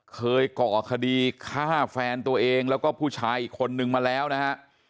ก่อคดีฆ่าแฟนตัวเองแล้วก็ผู้ชายอีกคนนึงมาแล้วนะฮะ